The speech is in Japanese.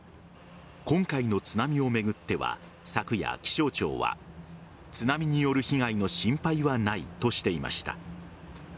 今回の津波を巡っては昨夜、気象庁は津波による被害の心配はないとしていました。